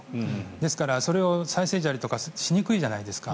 ですから、それを再生砂利とかしにくいじゃないですか。